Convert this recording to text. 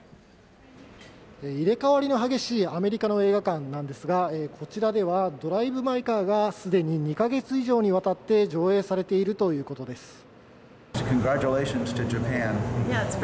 入れ代わりの激しいアメリカの映画館なんですが、こちらではドライブ・マイ・カーがすでに２か月以上にわたって上映されているということです。